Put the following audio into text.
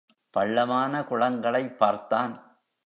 பள்ளமான குளங்களைப் பார்த்தான்.